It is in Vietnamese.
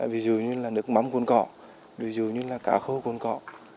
ví dụ như là nước mắm cồn cỏ ví dụ như là cá khô cồn cỏ